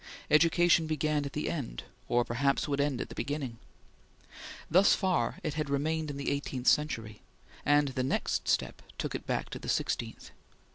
Education began at the end, or perhaps would end at the beginning. Thus far it had remained in the eighteenth century, and the next step took it back to the sixteenth.